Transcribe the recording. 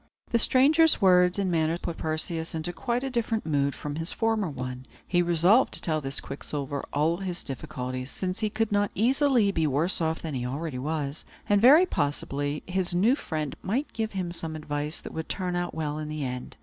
The stranger's words and manner put Perseus into quite a different mood from his former one. He resolved to tell Quicksilver all his difficulties, since he could not easily be worse off than he already was, and, very possibly, his new friend might give him some advice that would turn out well in the end.